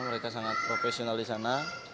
mereka sangat profesional disana